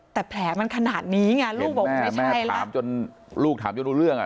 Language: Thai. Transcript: แต่แผลมันขนาดนี้ไงลูกบอกไม่ใช่แล้วถามจนลูกถามจนรู้เรื่องอ่ะ